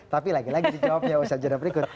tapi lagi lagi di jawabnya usaha jalan berikut